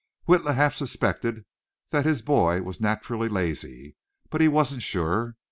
Witla half suspected that his boy was naturally lazy, but he wasn't sure.